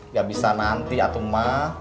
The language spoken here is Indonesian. gak bisa nanti atu mak